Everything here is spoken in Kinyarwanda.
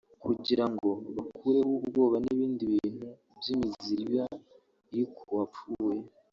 kugirango bakureho ubwoba n'ibindi bintu by'imiziro iba iri kuwa pfuye